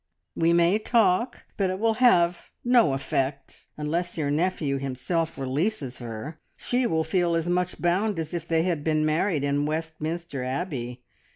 We may talk, but it will have no effect. Unless your nephew himself releases her, she will feel as much bound as if they had been married in Westminster Abbey.